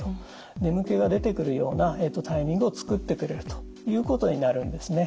眠気が出てくるようなタイミングを作ってくれるということになるんですね。